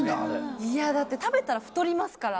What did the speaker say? いや、だって食べたら太りますから。